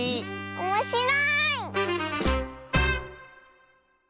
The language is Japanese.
おもしろい！